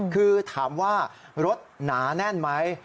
คือถามว่ารถหนาแน่นไหม